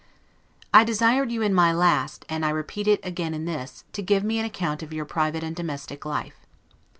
I desired you in my last, and I repeat it again in this, to give me an account of your private and domestic life.